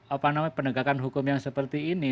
apa namanya penegakan hukum yang seperti ini